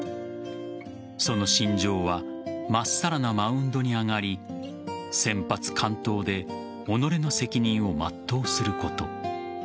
その信条はまっさらなマウンドに上がり先発完投で己の責任を全うすること。